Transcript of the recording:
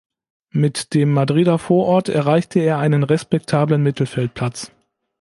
Mit dem Madrider Vorort erreichte er einen respektablen Mittelfeldplatz.